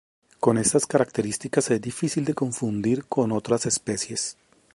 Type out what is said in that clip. Con estas características es difícil de confundir con otras especies.